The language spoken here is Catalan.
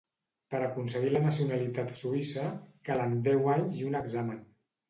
Per aconseguir la nacionalitat suïssa, calen deu anys i un examen.